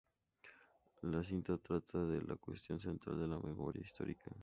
La cinta trata de "la cuestión central de la memoria histórica".